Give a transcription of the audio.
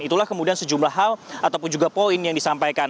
itulah kemudian sejumlah hal ataupun juga poin yang disampaikan